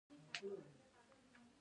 دوی د پنبې کښت ته ډېره پاملرنه کوي.